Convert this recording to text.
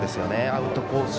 アウトコース